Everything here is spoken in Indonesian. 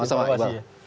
terima kasih pak iba